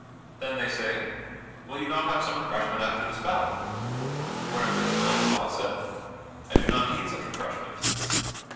Then they say: "Will you not have some refreshment after this battle?" Whereunto Sir Launcelot said: "I do not need such refreshment."